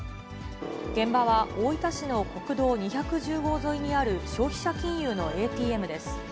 現場は、大分市の国道２１０号沿いにある、消費者金融のＡＴＭです。